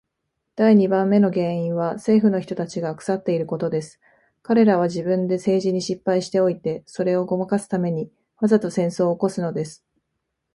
第二番目の原因は政府の人たちが腐っていることです。彼等は自分で政治に失敗しておいて、それをごまかすために、わざと戦争を起すのです。